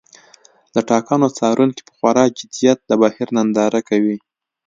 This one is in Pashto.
د ټاکنو څارونکي په خورا جدیت د بهیر ننداره کوي.